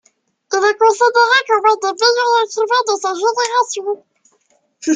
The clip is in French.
Il est considéré comme un des meilleurs écrivains de sa génération.